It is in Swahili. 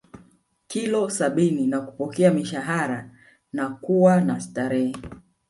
Kilo sabini na kupokea mishhaarana kuwa na starehe